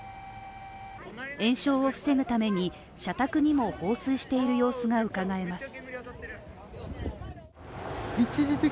延焼を防ぐために、社宅にも放水している様子がうかがえます。